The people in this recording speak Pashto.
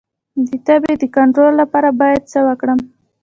د تبې د کنټرول لپاره باید څه وکړم؟